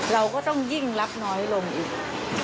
เราก็ต้องยิ่งรับน้อยลงอีก